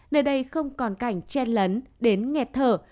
nơi đây không còn cảnh chen lấn đến nghẹt thở